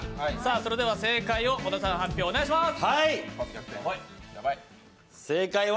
それでは正解を小田さん、発表お願いします。